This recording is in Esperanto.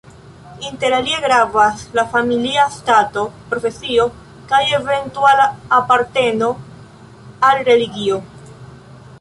Inter alie gravas la familia stato, profesio kaj eventuala aparteno al religio.